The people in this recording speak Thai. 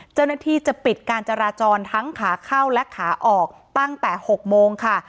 เจ้าหน้าที่จะปิดการจราจรทั้งขาเข้าและขาออกตั้งแต่๖โมงค่ะ